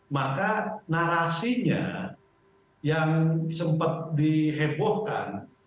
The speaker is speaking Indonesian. maka narasinya yang sempat dihebohkan